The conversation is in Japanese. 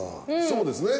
そうですね。